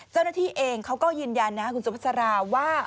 เจ้าหน้าที่เองเขาก็ยืนยันนะคุณสุภาษาราว่า